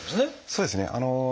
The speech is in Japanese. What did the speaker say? そうですね。